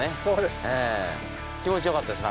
そうです。